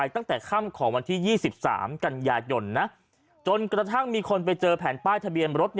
ตั้งแต่ค่ำของวันที่๒๓กันยายนจนกระทั่งมีคนไปเจอแผ่นป้ายทะเบียนรถ